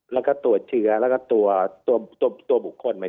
แล้วก็ตัวเชื้อและตัวตัวบุคคล